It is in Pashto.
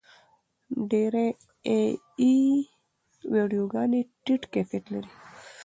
ډېرې اې ای ویډیوګانې ټیټ کیفیت لري.